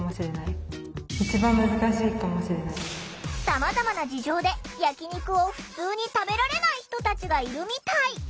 さまざまな事情で焼き肉を「ふつう」に食べられない人たちがいるみたい。